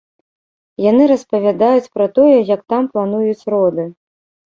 Яны распавядаюць пра тое, як там плануюць роды.